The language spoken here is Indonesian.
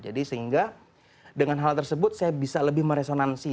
jadi sehingga dengan hal tersebut saya bisa lebih meresonansi